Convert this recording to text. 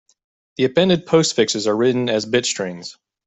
The appended postfixes are written as bit strings.